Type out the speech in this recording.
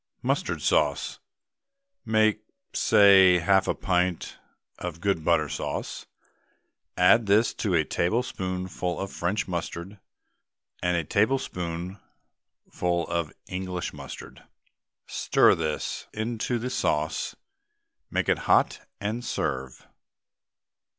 MUSTARD SAUCE. Make, say, half a pint of good butter sauce, add to this a tablespoonful of French mustard and a tablespoonful of made English mustard. Stir this into the sauce, make it hot, and serve.